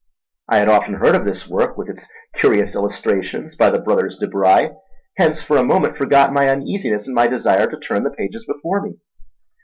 I had often heard of this work, with its curious illustrations by the brothers De Bry, hence for a moment forgot my uneasiness in my desire to turn the pages before me.